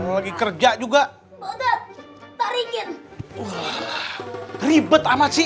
lagi kerja juga ribet amat sih